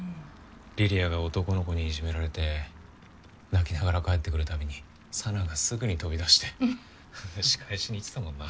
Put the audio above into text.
梨里杏が男の子にいじめられて泣きながら帰ってくるたびに沙奈がすぐに飛び出して仕返しに行ってたもんな。